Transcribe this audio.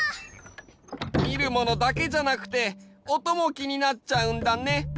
みるものだけじゃなくておともきになっちゃうんだね。